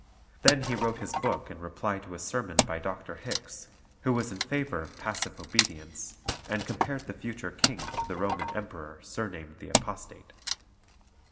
Then he wrote his book in reply to a sermon by Dr. Hickes, who was in favour of passive obedience, and compared the future King to the Roman Emperor surnamed the Apostate.